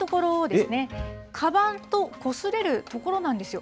かばんとこすれる所なんですよ。